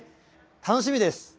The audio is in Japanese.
楽しみです。